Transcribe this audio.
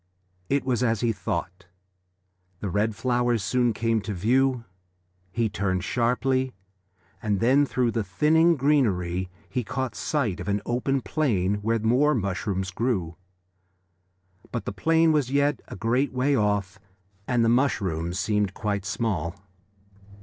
It was as he thought: the red flowers soon came to view. He turned sharply, and then through the thinning greenery he caught sight of an open plain where more mushrooms grew. But the plain was as yet a great way off, and the mushrooms seemed quite small.